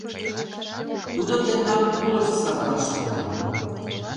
Тудо тендам кулыш савыраш толын!